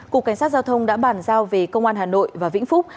cục cảnh sát giao thông đã bàn giao về công an hà nội và vĩnh phúc